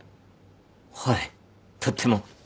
はいとっても。